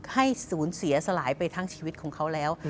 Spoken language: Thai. ให้สูญเสียสลายไปทั้งชีวิตของเขาแล้ว